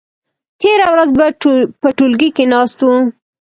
تېره ورځ په ټولګي کې ناست وو.